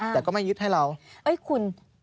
แต่ก็ไม่ยึดให้เราเอ้ยคุณ